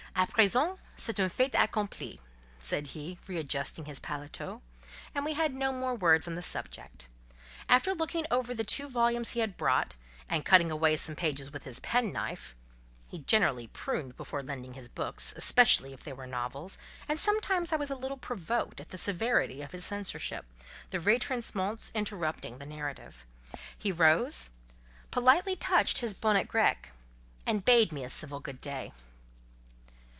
"A présent c'est un fait accompli," said he, re adjusting his paletôt; and we had no more words on the subject. After looking over the two volumes he had brought, and cutting away some pages with his penknife (he generally pruned before lending his books, especially if they were novels, and sometimes I was a little provoked at the severity of his censorship, the retrenchments interrupting the narrative), he rose, politely touched his bonnet grec, and bade me a civil good day.